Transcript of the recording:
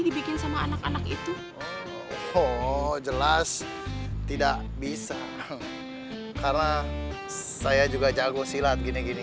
dibikin sama anak anak itu oh jelas tidak bisa karena saya juga jago silat gini gini